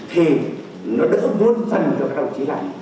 thì nó đỡ vốn phần cho các đồng chí làm